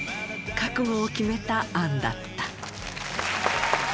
覚悟を決めた杏だった。